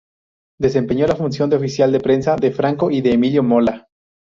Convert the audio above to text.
Desempeñó la función de oficial de prensa de Franco y de Emilio Mola.